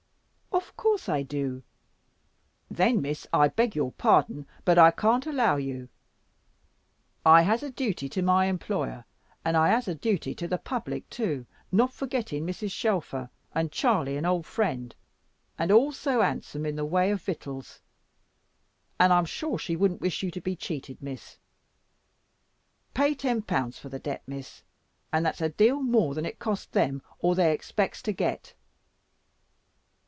"Of course, I do." "Then, Miss, I beg your pardon, but I can't allow you. I has a duty to my employer, and I has a duty to the public too, not forgetting Mrs. Shelfer, and Charley an old friend, and all so handsome in the way of victuals. And I'm sure she wouldn't wish you to be cheated, Miss. Pay ten pounds for the debt, Miss, and that's a deal more than it cost them or they expects to get.